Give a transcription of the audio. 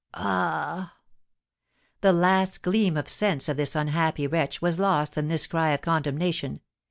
Ah!" The last gleam of sense of this unhappy wretch was lost in this cry of condemnation.